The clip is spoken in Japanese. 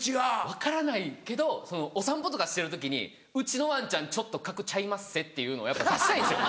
分からないけどお散歩とかしてる時にうちのワンちゃんちょっと格ちゃいまっせっていうのを出したいんですよ。